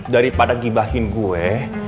daripada gibahin gue